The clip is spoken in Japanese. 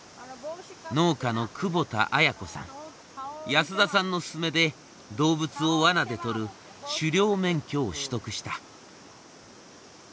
安田さんの勧めで動物をワナでとる狩猟免許を取得した。